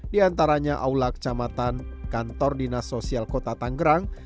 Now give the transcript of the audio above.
di antaranya aula kecamatan kantor dinas sosial kota tanggerang